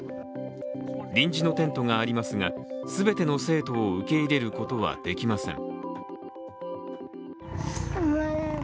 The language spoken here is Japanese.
臨時のテントがありますが、全ての生徒を受け入れることはできません。